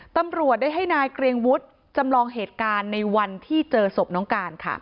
ตำรวจได้ให้นายเกรียงวุฒิจำลองเหตุการณ์ในวันที่เจอศพน้องการค่ะ